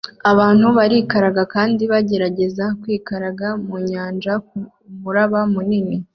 Abantu barikaraga kandi bagerageza kwikaraga mu nyanja kumuraba munini